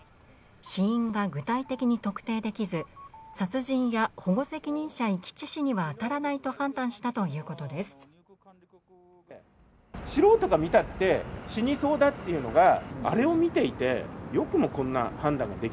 死因が具体的に特定できず、殺人や保護責任者遺棄致死には当たらないと判断したということです。